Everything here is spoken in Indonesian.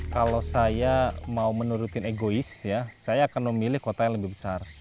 kalau saya mau menurutin egois ya saya akan memilih kota yang lebih besar